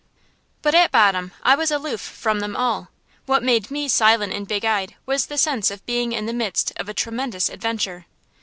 But at bottom I was aloof from them all. What made me silent and big eyed was the sense of being in the midst of a tremendous adventure.